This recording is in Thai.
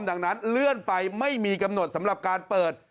ดังนั้นเลื่อนไปไม่มีกำหนดสำหรับการเปิด